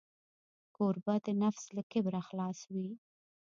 کوربه د نفس له کبره خلاص وي.